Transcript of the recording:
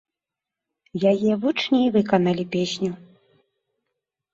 Яе вучні і выканалі песню.